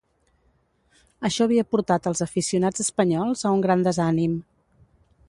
Això havia portat els aficionats espanyols a un gran desànim.